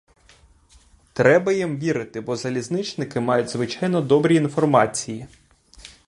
Треба їм вірити, бо залізничники мають звичайно добрі інформації.